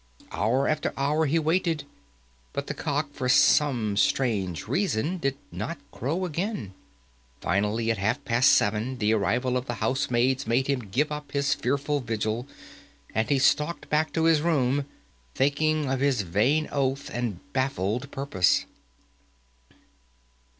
Hour after hour he waited, but the cock, for some strange reason, did not crow again. Finally, at half past seven, the arrival of the housemaids made him give up his fearful vigil, and he stalked back to his room, thinking of his vain oath and baffled purpose.